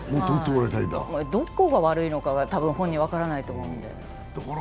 どこが悪いのかが、たぶん本人分からないと思うので。